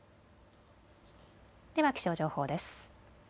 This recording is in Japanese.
では気象情報です。